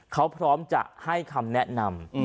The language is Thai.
เขาพร้อมจะให้คำแนะนำ